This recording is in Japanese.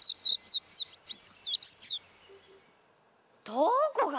どこが！